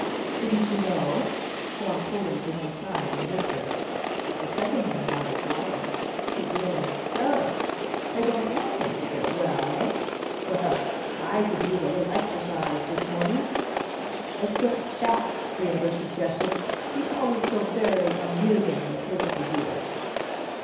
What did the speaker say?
Didn't you know?" Jon pulled him to one side and whispered. The second man's eyes widened; he grinned. "So? They don't want him to get well, eh? Well, I could use a little exercise this morning " "Let's get Fats," the other suggested. "He's always so very amusing with his ideas."